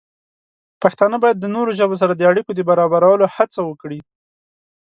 پښتانه باید د نورو ژبو سره د اړیکو د برابرولو هڅه وکړي.